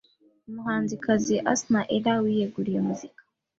Umuhanzikazi Asinah Erra wiyeguriye muzika